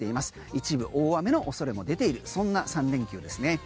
一部、大雨の恐れも出ているそんな３連休ですね。